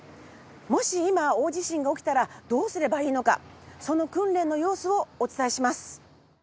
もし今大地震が起きたらどうすればいいのかその訓練の様子をお伝えします。